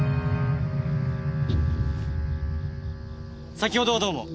先ほどはどうも。